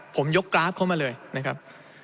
ผมยกกราฟเข้ามาเลยนะครับ